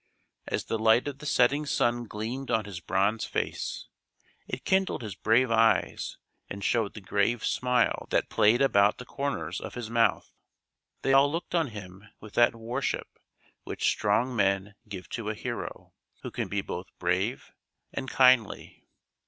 As the light of the setting sun gleamed on his bronze face, it kindled his brave eyes and showed the grave smile that played about the corners of his mouth. They all looked on him with that worship which strong men give to a hero, who can be both brave and kindly.